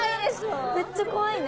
めっちゃ怖いね。